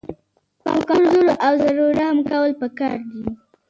په کمزورو او زړو رحم کول پکار دي.